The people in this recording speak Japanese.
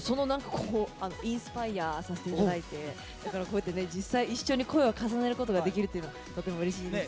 インスパイアさせていただいてこうやって実際に声を重ねることができるのはとてもうれしいです。